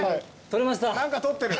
何か取ってる。